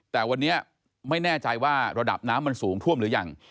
แต่วันนี้ไม่แน่ใจว่าระดับน้ำมันสูงท่วมหรือยัง